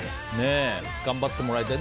頑張ってもらいたい。